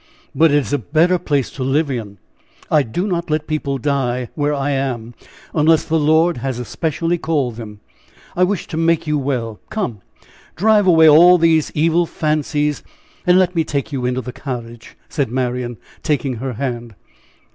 "But it is a better place to live in! I do not let people die where I am, unless the Lord has especially called them. I wish to make you well! Come, drive away all these evil fancies and let me take you into the cottage," said Marian, taking her hand.